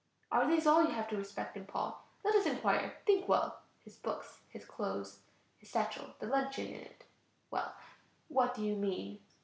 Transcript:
Are these all you have to respect in Paul? Let us enquire; think well. His books, his clothes, his satchel, the luncheon in it. Well. What do you mean?